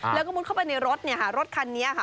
แล้วก็มุดเข้าไปในรถเนี่ยค่ะรถคันนี้ค่ะ